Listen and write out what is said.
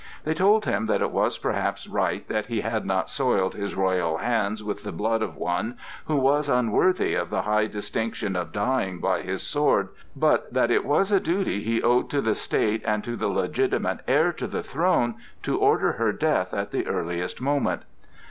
They told him that it was perhaps right that he had not soiled his royal hands with the blood of one who was unworthy of the high distinction of dying by his sword, but that it was a duty he owed to the state and to the legitimate heir to the throne to order her death at the earliest moment.